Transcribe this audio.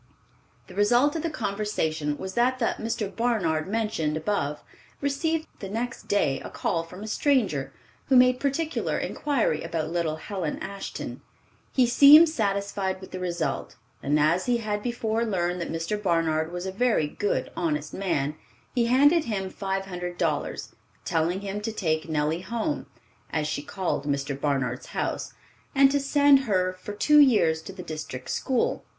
The result of the conversation was that the Mr. Barnard mentioned above received the next day a call from a stranger, who made particular inquiry about little Helen Ashton. He seemed satisfied with the result, and as he had before learned that Mr. Barnard was a very good, honest man, he handed him five hundred dollars, telling him to take Nellie home—as she called Mr. Barnard's house—and to send her for two years to the district school.